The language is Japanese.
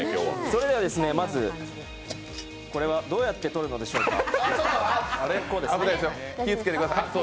それではまず、これはどうやって取るのでしょうか。